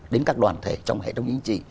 đến các đoàn thể trong hệ thống chính trị